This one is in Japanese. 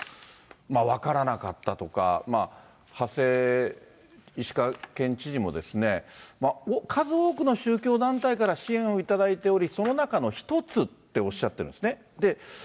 分からなかったとか、馳石川県知事も、数多くの宗教団体から支援を頂いており、その中の一つっておっしゃってるんですね。